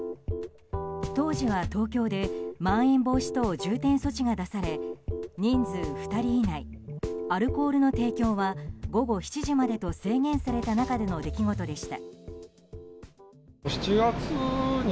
当時は東京でまん延防止等重点措置が出され人数２人以内アルコールの提供は午後７時までと制限された中での出来事でした。